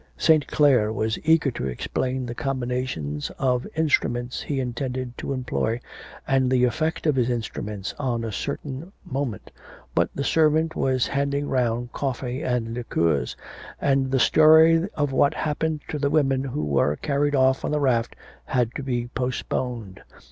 St. Clare was eager to explain the combinations of instruments he intended to employ, and the effect of his trumpets at a certain moment, but the servant was handing round coffee and liqueurs, and the story of what happened to the women who were carried off on the raft had to be postponed.